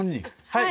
はい。